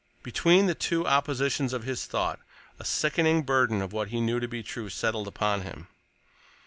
Between the two oppositions of his thought a sickening burden of what he knew to be true settled upon him.